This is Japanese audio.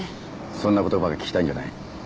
そんな言葉が聞きたいんじゃない。